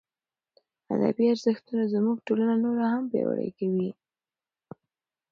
ادبي ارزښتونه زموږ ټولنه نوره هم پیاوړې کوي.